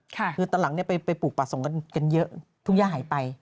คือตอนหลังไปปลูกป่าสงกันเยอะทุ่งย่าหายไป